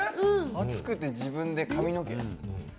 暑くて、自分で髪の毛？